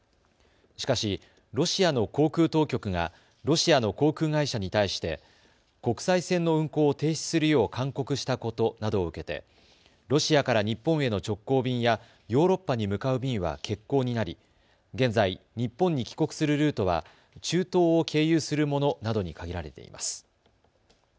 しかしロシアの航空当局がロシアの航空会社に対して国際線の運航を停止するよう勧告したことなどを受けてロシアから日本への直行便やヨーロッパに向かう便は欠航になり現在、日本に帰国するルートは中東を経由するものなどに限られています。